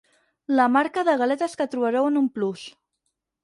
La marca de galetes que trobareu en un plus.